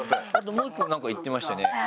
もう１個何か言ってましたよね。